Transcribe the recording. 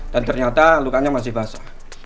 dan ternyata lukanya masih wasa